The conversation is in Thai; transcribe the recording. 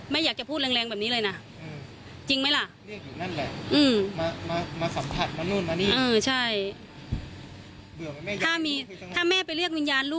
อยากจะพูดแรงแบบนี้เลยนะจริงไหมล่ะ